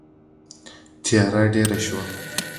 تیاره ډېره شوه.